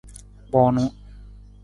Kpoonu.